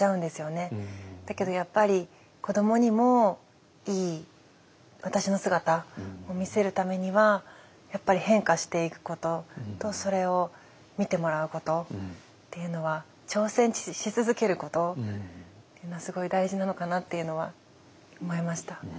だけどやっぱり子どもにもいい私の姿を見せるためにはやっぱり変化していくこととそれを見てもらうことっていうのは挑戦し続けることっていうのはすごい大事なのかなっていうのは思いました。